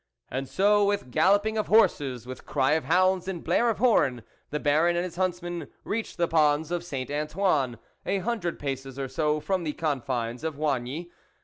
And so with galloping of horses, with cry of hounds and blare of horn, the Baron and his huntsmen reached the ponds of Saint Antoine, a hundred paces or so from the Confines of Oigny.